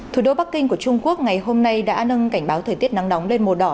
thủ đô bắc kinh của trung quốc ngày hôm nay đã nâng cảnh báo thời tiết nắng nóng lên màu đỏ